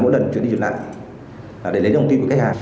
mỗi lần truyền đi truyền lại để lấy đồng tiền của khách hàng